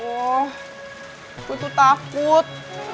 oh gue tuh takut